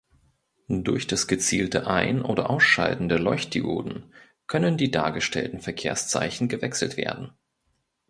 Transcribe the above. Durch das gezielte Ein- oder Ausschalten der Leuchtdioden können die dargestellten Verkehrszeichen gewechselt werden.